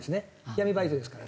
闇バイトですから。